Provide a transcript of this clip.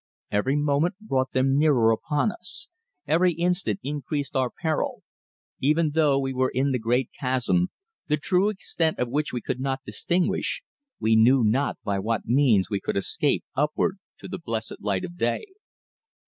Every moment brought them nearer upon us; every instant increased our peril. Even though we were in the great chasm, the true extent of which we could not distinguish, we knew not by what means we could escape upward to the blessed light of day.